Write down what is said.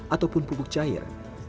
ataupun pupuk cair